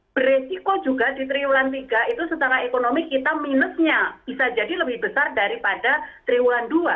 beresiko juga di triwulan tiga itu secara ekonomi kita minusnya bisa jadi lebih besar daripada triwulan dua